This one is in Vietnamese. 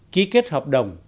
ký kết hợp đồng